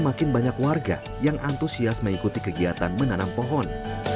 makin banyak warga yang antusias mengikuti kegiatan menanam pohon